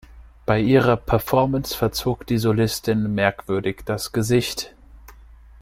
Bei ihrer Performance verzog die Solistin merkwürdig das Gesicht.